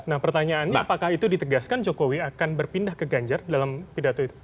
nah pertanyaannya apakah itu ditegaskan jokowi akan berpindah ke ganjar dalam pidato itu